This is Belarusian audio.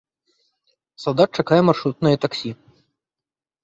Салдат чакае маршрутнае таксі.